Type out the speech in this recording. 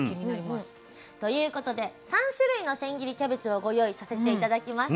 ということで３種類の千切りキャベツをご用意させて頂きました。